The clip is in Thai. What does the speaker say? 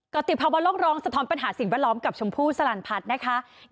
ติภาวะโลกร้องสะท้อนปัญหาสิ่งแวดล้อมกับชมพู่สลันพัฒน์นะคะ